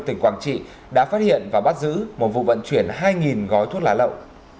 tỉnh quảng trị đã phát hiện và bắt giữ một vụ vận chuyển hai gói thuốc lá lậu